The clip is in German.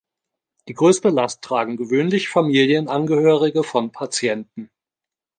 Die größte Last tragen gewöhnlich Familienangehörige von Patienten.